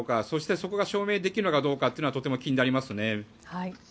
そしてそこが証明できるのかどうかということがとても気になりますね。